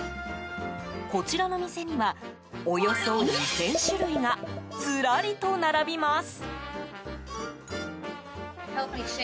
こちらの店にはおよそ２０００種類がずらりと並びます。